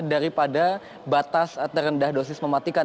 daripada batas terendah dosis mematikan